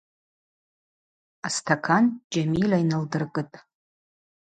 Астакан Джьамильа йналдыркӏытӏ.